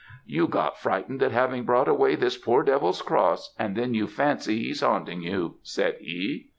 'You got frightened at having brought away this poor devil's cross, and then you fancy he's haunting you,' said he.